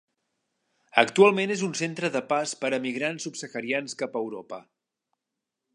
Actualment és un centre de pas per emigrants subsaharians cap a Europa.